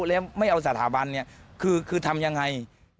แล้วไม่เอาสถาบันเนี่ยคือทำยังไง